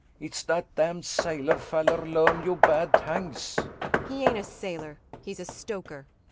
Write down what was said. It's dat damn sailor fallar learn you bad tangs. ANNA He ain't a sailor. He's a stoker.